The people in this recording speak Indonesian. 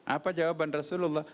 apa jawaban rasulullah